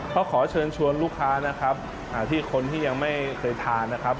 ก็ขอเชิญชวนลูกค้านะครับที่คนที่ยังไม่เคยทานนะครับ